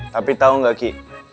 tapi tau gak ki